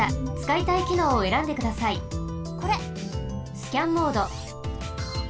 スキャンモード。